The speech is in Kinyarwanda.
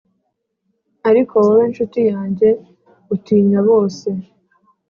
ariko wowe nshuti yanjye, utinya bose